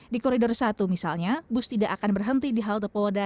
di koridor satu misalnya bus tidak akan berhenti di halte polda